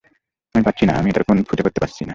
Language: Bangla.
আমি পারছি না, আমি এটার কোণ ফুটা করতে পারছিনা।